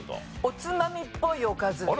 おつまみっぽいおかず。